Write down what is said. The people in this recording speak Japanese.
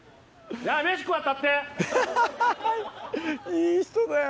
いい人だよ。